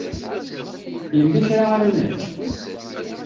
Yella kra ara nečč?